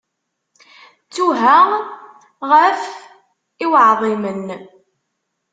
Ttuha ɣef i uɛḍimen.